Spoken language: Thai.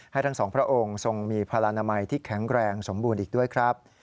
ทั้งสองพระองค์ทรงมีพลานามัยที่แข็งแรงสมบูรณ์อีกด้วยครับ